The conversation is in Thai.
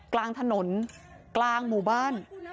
กลางถนนกลางหมู่บ้าน